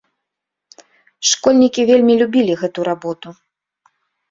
Школьнікі вельмі любілі гэту работу.